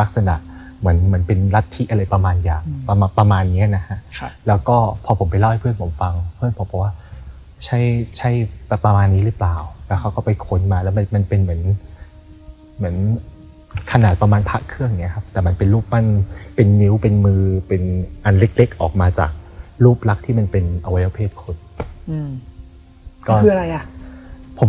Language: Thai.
ลักษณะเหมือนเหมือนเป็นรัฐธิอะไรประมาณอย่างประมาณประมาณเนี้ยนะฮะแล้วก็พอผมไปเล่าให้เพื่อนผมฟังเพื่อนผมบอกว่าใช่ใช่ประมาณนี้หรือเปล่าแล้วเขาก็ไปค้นมาแล้วมันเป็นเหมือนเหมือนขนาดประมาณพระเครื่องเนี้ยครับแต่มันเป็นรูปปั้นเป็นนิ้วเป็นมือเป็นอันเล็กเล็กออกมาจากรูปลักษณ์ที่มันเป็นอวัยวะเพศคนอืมก็คืออะไรอ่ะผม